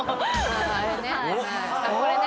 ああれね。